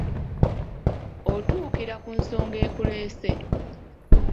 Otuukira ku nsonga ekuleese.